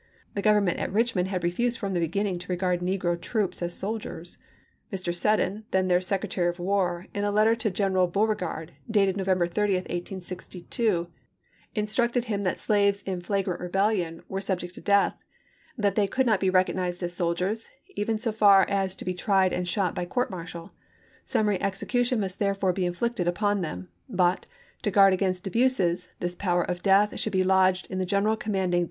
1 The Government at Eichmond had refused from the beginning to regard negro troops as soldiers. Mr. Seddon, then their Secretary of War, in a letter to General Beauregard, dated November 30, 1862, instructed him that slaves in flagrant rebellion were subject to death ; that they could not be recognized as soldiers, even so far as to be tried and shot by court martial ; summary execution must therefore be inflicted upon them ; but, to guard against abuses, this power of death caBby'8 should be lodged in the general commanding the p.